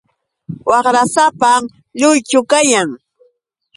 Waqrasapam lluychu kayan.